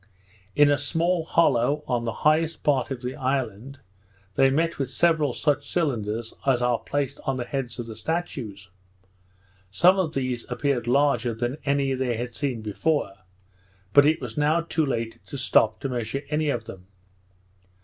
In a small hollow, on the highest part of the island, they met with several such cylinders as are placed on the heads of the statues. Some of these appeared larger than any they had seen before; but it was now too late to stop to measure any of them.